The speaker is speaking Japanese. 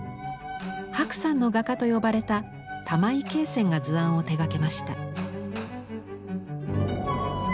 「白山の画家」と呼ばれた玉井敬泉が図案を手がけました。